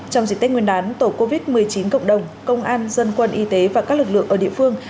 trong dịp tết nguyên đán tổ covid một mươi chín cộng đồng công an dân quân y tế và các lực lượng ở địa phương